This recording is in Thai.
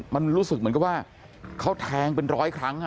มันรู้สึกเหมือนกับว่าเขาแทงเป็นร้อยครั้ง